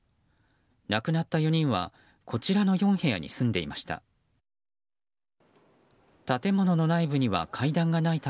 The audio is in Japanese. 亡くなった４人はこちらの４部屋に住んでいました。